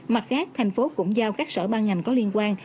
mặt khác thành phố cũng giao các sở ban ngành có liên quan